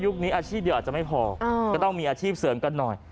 นี้อาชีพเดียวอาจจะไม่พอก็ต้องมีอาชีพเสริมกันหน่อย